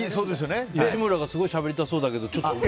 吉村がすごいしゃべりたそうだけど。